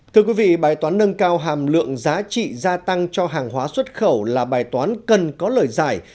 thưa quý vị bài toán nâng cao hàm lượng giá trị gia tăng cho hàng hóa xuất khẩu là bài toán cần có lời giải